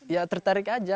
ya tertarik aja